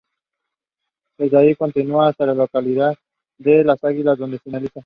Desde ahí continúa hacia la localidad de Águilas, donde finaliza.